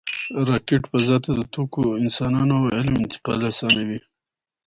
راکټ فضا ته د توکو، انسانانو او علم انتقال آسانوي